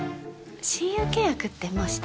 親友契約ってもうした？